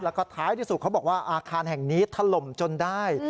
แล้วก็ท้ายที่สุดเขาบอกว่าอาคารแห่งนี้ถล่มจนได้